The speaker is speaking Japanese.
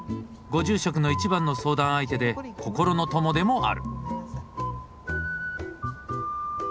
ご住職の一番の相談相手で心の友でもある。